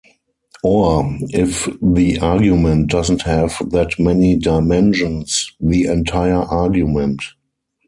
Or, if the argument doesn't have that many dimensions, the entire argument.